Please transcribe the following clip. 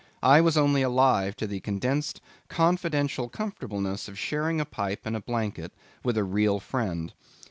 I was only alive to the condensed confidential comfortableness of sharing a pipe and a blanket with a real friend.